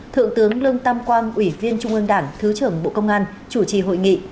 thượng tướng lương tam quang ủy viên trung ương đảng thứ trưởng bộ công an chủ trì hội nghị